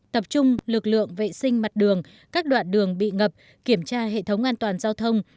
tập trung lực lượng vệ sinh mặt đường các đoạn đường bị ngập kiểm tra hệ thống an toàn giao thông